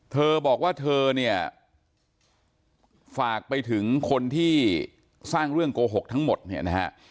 เธอบอกว่าเธอเนี่ยฝากไปถึงคนที่สร้างเรื่องโกหกทั้งหมดเนี่ยนะฮะ